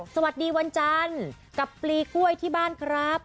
สวัสดีวันจันทร์กับปลีกล้วยที่บ้านครับ